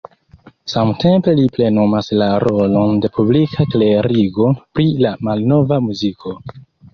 Samtempe li plenumas la rolon de publika klerigo pri la malnova muziko.